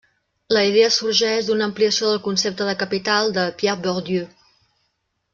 La idea sorgeix d'una ampliació del concepte de capital de Pierre Bourdieu.